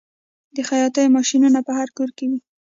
د خیاطۍ ماشینونه په هر کور کې وي